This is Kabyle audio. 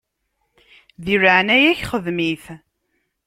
Di leɛnaya-k xdem-it.